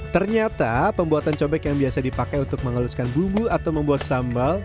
ternyata pembuatan cobek yang biasa dipakai untuk mengeluskan bumbu atau membuat sambal